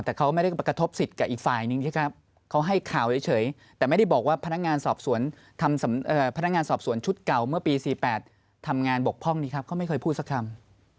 แต่เขาไม่ได้กระทบสิทธิ์กับอีกฝ่ายนึงใช่ไหมครับเขาให้ข่าวเฉยแต่ไม่ได้บอกว่าพนักงานสอบสวนทำพนักงานสอบสวนชุดเก่าเมื่อปี๔๘ทำงานบกพร่องนี้ครับเขาไม่เคยพูดสักคำ